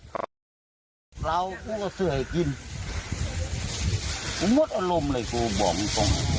แล้วกูก็เสื่อให้กินกูหมดอารมณ์เลยกูบอกมันตรง